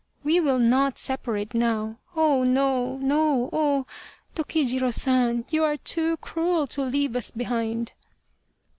We will not separate now, oh, no no ! Oh ! Toki jiro San ! you are too cruel to leave us behind."